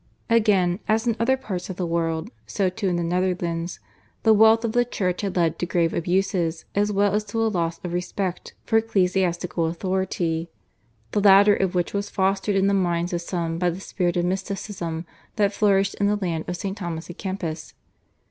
Again, as in other parts of the world, so too in the Netherlands the wealth of the Church had led to grave abuses as well as to a loss of respect for ecclesiastical authority, the latter of which was fostered in the minds of some by the spirit of mysticism that flourished in the land of St. Thomas a Kempis.